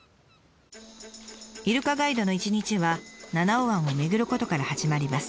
イルカガイドの一日は七尾湾を巡ることから始まります。